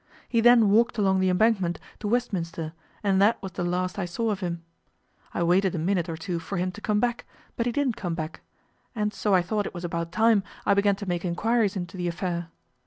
He then walked along the Embankment to Westminster and that was the last I saw of him. I waited a minute or two for him to come back, but he didn't come back, and so I thought it was about time I began to make inquiries into the affair.